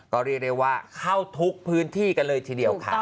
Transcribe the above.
ก็เรียกได้ว่าเข้าทุกพื้นที่กันเลยทีเดียวค่ะ